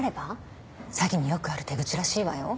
詐欺によくある手口らしいわよ。